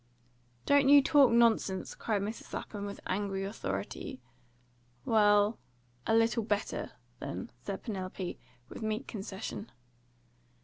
"Don't you talk nonsense!" cried Mrs. Lapham, with angry authority. "Well, a little better, then," said Penelope, with meek concession.